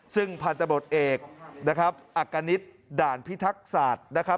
ซึ่งพันธบทเอกอักกณิตด่านพิทักษ์ศาสตร์